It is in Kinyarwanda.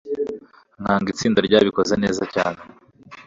nkanga itsinda ryabikoze neza cyane